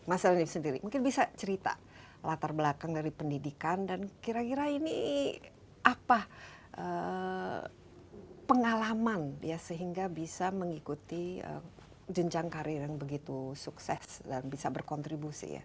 mas alif sendiri mungkin bisa cerita latar belakang dari pendidikan dan kira kira ini apa pengalaman ya sehingga bisa mengikuti jenjang karir yang begitu sukses dan bisa berkontribusi ya